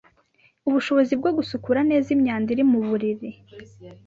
ubushobozi bwo gusukura neza imyanda iri mu mubiri.